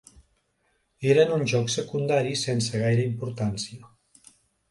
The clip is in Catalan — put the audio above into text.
Eren uns jocs secundaris sense gaire importància.